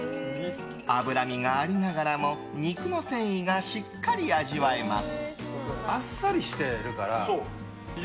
脂身がありながらも肉の繊維がしっかり味わえます。